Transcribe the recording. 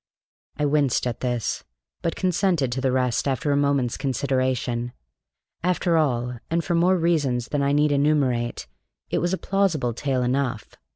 I winced at this, but consented to the rest after a moment's consideration. After all, and for more reasons that I need enumerate, it was a plausible tale enough.